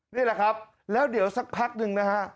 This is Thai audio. นี่แหละครับแล้วเดี๋ยวสักพักหนึ่งนะฮะ